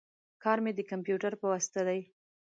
کار می د کمپیوټر په واسطه دی